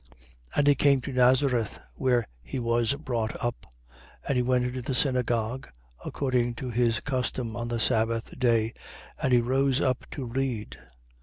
4:16. And he came to Nazareth, where he was brought up: and he went into the synagogue, according to his custom, on the sabbath day: and he rose up to read.